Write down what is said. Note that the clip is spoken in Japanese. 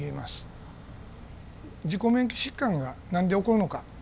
自己免疫疾患が何で起こるのか。